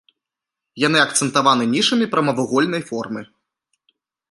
Яны акцэнтаваны нішамі прамавугольнай формы.